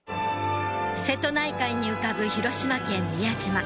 瀬戸内海に浮かぶ広島県宮島